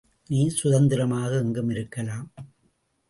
நீ சுதந்திரமாக எங்கும் இருக்கலாம்.